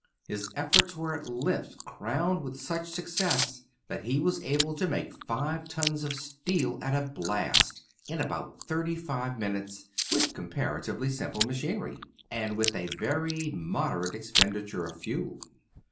His efforts were at length crowned with such success that he was able to make five tons of steel at a blast, in about thirty five minutes, with comparatively simple machinery, and with a very moderate expenditure of fuel.